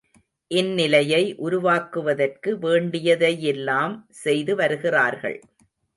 இந்நிலையை உருவாக்குவதற்கு வேண்டியதை யெல்லாம் செய்து வருகிறார்கள்.